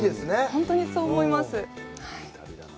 本当にそう思います。